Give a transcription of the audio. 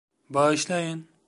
Bağışlayın.